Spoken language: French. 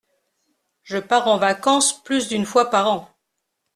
Je pars en vacances plus d’une fois par an.